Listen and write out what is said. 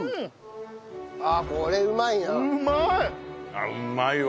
あっうまいわ。